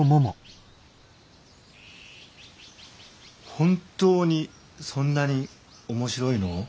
本当にそんなに面白いの？